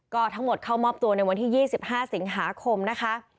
ก็ทั้งหมดเข้ามอบตัวในวันที่๒๕สิงหาคมนะคะ